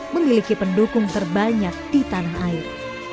memiliki pendukung terbanyak di tanah air